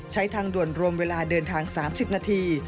ทางด่วนรวมเวลาเดินทาง๓๐นาที